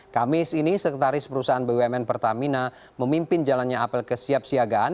kamis ini sekretaris perusahaan bumn pertamina memimpin jalannya apel kesiapsiagaan